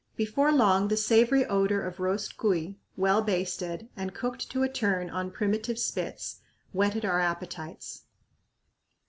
Before long the savory odor of roast cuy, well basted, and cooked to a turn on primitive spits, whetted our appetites.